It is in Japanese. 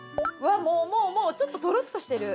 もうちょっととろっとしてる。